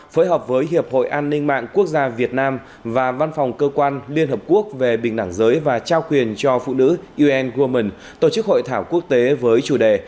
phối hợp với hiệp hội an ninh mạng quốc gia việt nam và văn phòng cơ quan liên hợp quốc về bình đẳng giới và trao quyền cho phụ nữ un women tổ chức hội thảo quốc tế với chủ đề